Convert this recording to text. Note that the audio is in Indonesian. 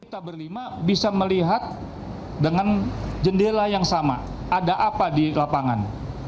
kita berlima bisa melihat dengan jendela yang sama ada apa di lapangan